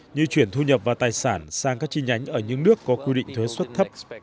như chuyển thu nhập và tài sản sang các chi nhánh ở những nước có quy định thuế xuất thấp